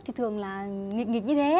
thì thường là nghịch nghịch như thế